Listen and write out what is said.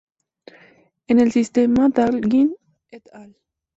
En el Sistema Dahlgren et al.